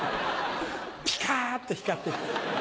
ピカっと光って。